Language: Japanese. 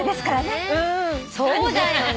そうだよね。